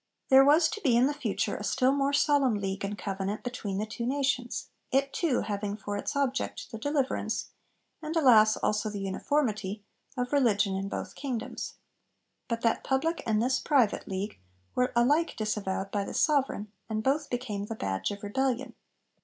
There was to be in the future a still more Solemn League and Covenant between the two nations, it too having for its object the deliverance (and, alas! also the uniformity) of religion in both kingdoms. But that public, and this private, league were alike disavowed by the Sovereign, and both became the badge of rebellion.